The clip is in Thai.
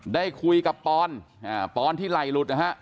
ได้คุยกับปอนปอนที่ไหล่หลุดนะฮะ